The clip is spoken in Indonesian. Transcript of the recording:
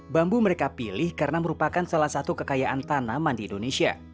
bambu mereka pilih karena merupakan salah satu kekayaan tanaman di indonesia